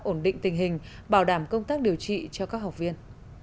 ổn định tình hình bảo đảm công tác điều trị cho các học viên